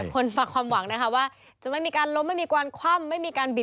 ฝากความหวังนะคะว่าจะไม่มีการล้มไม่มีการคว่ำไม่มีการบิด